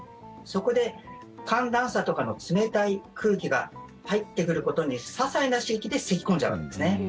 そこで寒暖差とかの冷たい空気が入ってくることでささいな刺激でせき込んじゃうんですね。